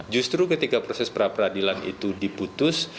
justru ketika proses pra peradilan itu diputus